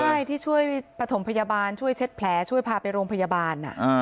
ใช่ที่ช่วยปฐมพยาบาลช่วยเช็ดแผลช่วยพาไปโรงพยาบาล